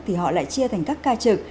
thì họ lại chia thành các ca trực